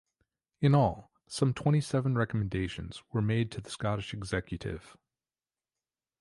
In all, some twenty seven recommendations were made to the Scottish Executive.